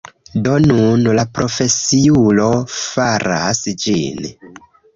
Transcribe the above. Do, nun la profesiulo faras ĝin